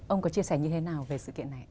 ông có chia sẻ như thế nào về sự kiện này